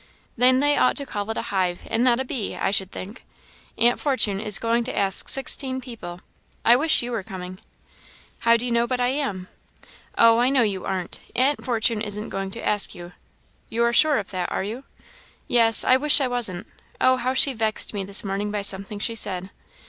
"Then they ought to call it a hive, and not a bee, I should think. Aunt Fortune is going to ask sixteen people. I wish you were coming!" "How do you know but I am?" "Oh, I know you aren't. Aunt Fortune isn't going to ask you." "You are sure of that, are you?" "Yes, I wish I wasn't. Oh, how she vexed me this morning by something she said!"